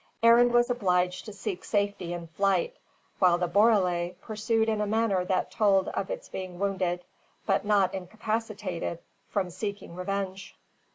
Arend was obliged to seek safety in flight, while the borele pursued in a manner that told of its being wounded, but not incapacitated from seeking revenge.